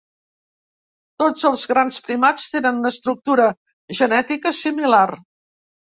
Tots els grans primats tenen una estructura genètica similar.